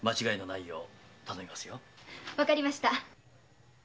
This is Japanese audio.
わかりました。